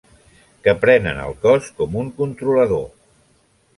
Que prenen el cos com un controlador.